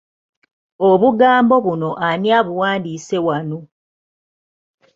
Obugambo buno ani abuwandiise wano.